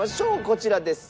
こちらです。